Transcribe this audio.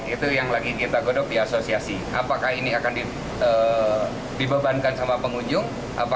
itu yang lagi kita godok di asosiasi apakah ini akan dibebankan sama pengunjung